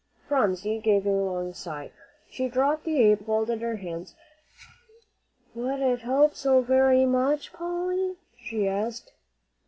Phronsie gave a long sigh. She dropped the apron, and folded her hands. "Would it help so very much, Polly?" she asked.